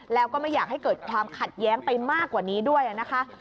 แล้วก็ไม่อยากให้เกิดความขัดแย้งไปมากกว่านี้ด้วยนะคะ